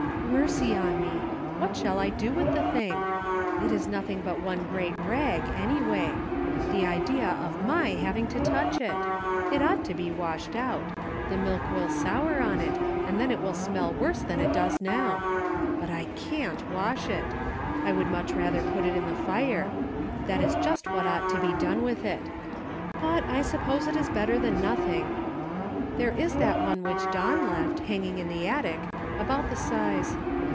" Mercy on me ! What shall I do with the thing ."* It is nothing but one great rag, anyway. The idea of my having to touch it ! It ought to be washed out. The milk will sour on it and then it will smell worse than it does now. But / cant wash it. I would much rather put it in the fire ; that is just what ought to be done with it. But. I suppose it is better than nothing. There is that one which Don left, hanging in the attic, about the size